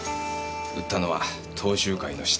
売ったのは東州会の下っ端。